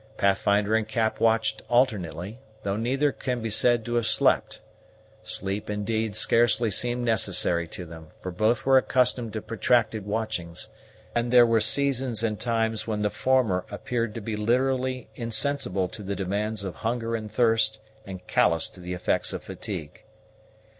Pathfinder and Cap watched alternately, though neither can be said to have slept. Sleep indeed scarcely seemed necessary to them, for both were accustomed to protracted watchings; and there were seasons and times when the former appeared to be literally insensible to the demands of hunger and thirst and callous to the effects of fatigue.